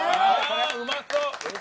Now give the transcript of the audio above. うまそう！